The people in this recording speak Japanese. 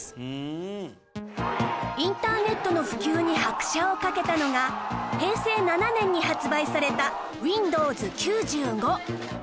インターネットの普及に拍車をかけたのが平成７年に発売された Ｗｉｎｄｏｗｓ９５